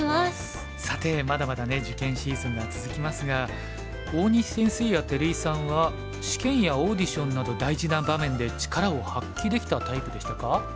さてまだまだね受験シーズンが続きますが大西先生や照井さんは試験やオーディションなど大事な場面で力を発揮できたタイプでしたか？